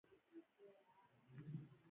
سوله سپیڅلې ده